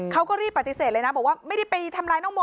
เขาก็รีบปฏิเสธเลยนะบอกว่าไม่ได้ไปทำร้ายน้องโม